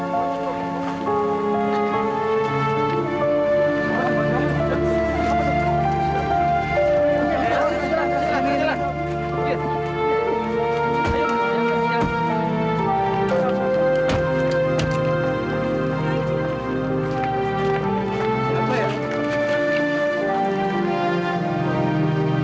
kejadian mengerikan ini membuatku hancur dan terburuk